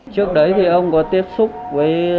trước đấy thì ông có tiếp xúc với